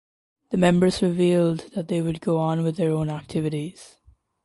The members revealed that they would go on with their own activities.